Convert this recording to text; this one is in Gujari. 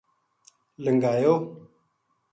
لنگھایو